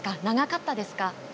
長かったですか。